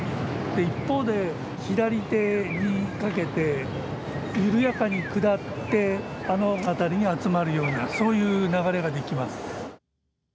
一方で左手にかけて緩やかに下ってあの辺りに集まるようなそういう流れができます。